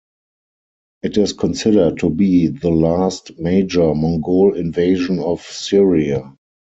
It is considered to be the last major Mongol invasion of Syria.